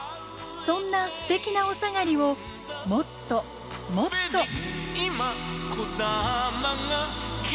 そんなステキなおさがりをもっともっと。